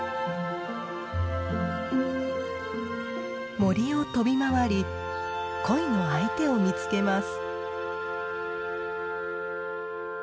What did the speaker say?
森を飛び回り恋の相手を見つけます。